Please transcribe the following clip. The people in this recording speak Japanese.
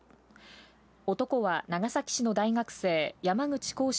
男は長崎市の大学生・山口鴻志